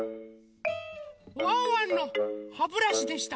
ワンワンのハブラシでした。